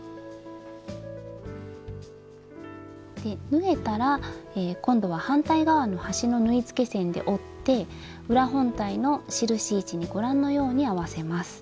縫えたら今度は反対側の端の縫い付け線で折って裏本体の印位置にご覧のように合わせます。